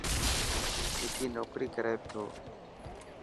وڪي نوڪري ڪري ٿو.